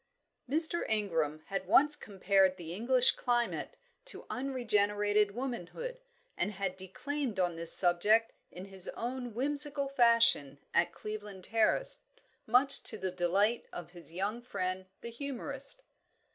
Mr. Ingram had once compared the English climate to unregenerated womanhood, and had declaimed on this subject in his own whimsical fashion at Cleveland Terrace, much to the delight of his young friend the humourist.